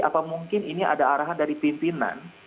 apa mungkin ini ada arahan dari pimpinan